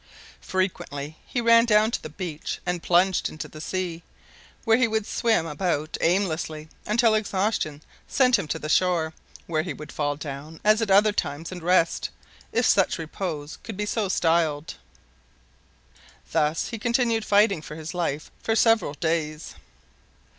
Frequently he ran down to the beach and plunged into the sea, where he would swim about aimlessly until exhaustion sent him to the shore, where he would fall down, as at other times, and rest if such repose could be so styled. Thus he continued fighting for his life for several days.